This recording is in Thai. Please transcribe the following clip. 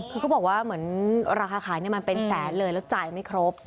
คือเขาบอกว่าเหมือนราคาขายมันเป็นแสนเลยแล้วจ่ายไม่ครบ